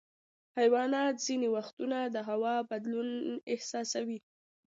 حیوانات ځینې وختونه د هوا بدلون احساسوي.